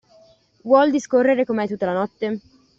Vuol discorrere con me tutta la notte?